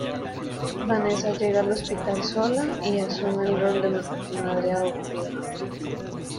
Vanessa llega al hospital sola y asume el rol de madre adoptiva.